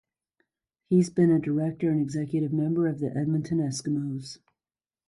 He has been a director and executive member of the Edmonton Eskimos.